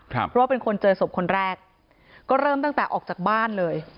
เพราะว่าเป็นคนเจอศพคนแรกก็เริ่มตั้งแต่ออกจากบ้านเลย